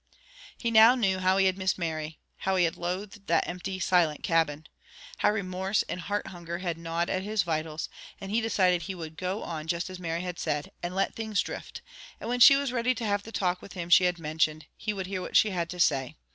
He now knew how he had missed Mary. How he had loathed that empty, silent cabin. How remorse and heart hunger had gnawed at his vitals, and he decided that he would go on just as Mary had said, and let things drift; and when she was ready to have the talk with him she had mentioned, he would hear what she had to say.